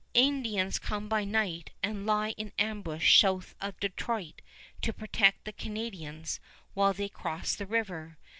Indians come by night and lie in ambush south of Detroit to protect the Canadians while they cross the river.